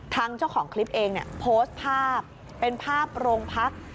ทางเจ้าของคลิปเองโพสต์ภาพเป็นภาพโรงพักษ์